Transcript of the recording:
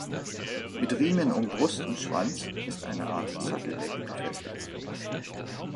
Mit Riemen um Brust und Schwanz ist eine Art Satteldecke befestigt.